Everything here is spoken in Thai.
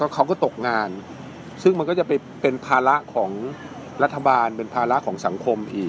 เขาก็ตกงานซึ่งมันก็จะไปเป็นภาระของรัฐบาลเป็นภาระของสังคมอีก